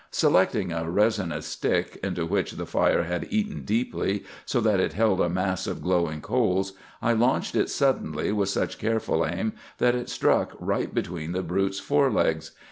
"Selecting a resinous stick into which the fire had eaten deeply, so that it held a mass of glowing coals, I launched it suddenly with such careful aim that it struck right between the brute's fore legs.